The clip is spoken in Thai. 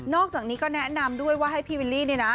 อกจากนี้ก็แนะนำด้วยว่าให้พี่วิลลี่นี่นะ